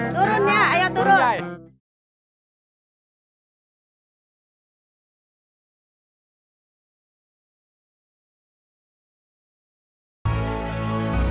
turun ya ayo turun